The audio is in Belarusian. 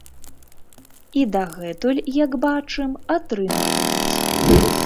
І дагэтуль, як бачым, атрымліваюць.